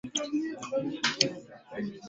Eneo la mguu wa nyuma lililoathirika sana